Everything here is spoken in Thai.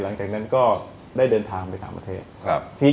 หลังจากนั้นก็ได้เดินทางไปต่างประเทศ